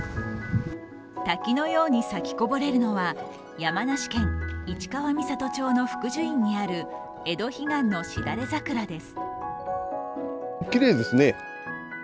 滝のように咲きこぼれるのは山梨県市川三郷町の福寿院にあるエドヒガンのしだれ桜です。